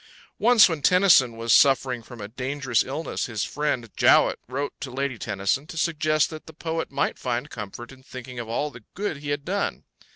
Once when Tennyson was suffering from a dangerous illness, his friend Jowett wrote to Lady Tennyson to suggest that the poet might find comfort in thinking of all the good he had done.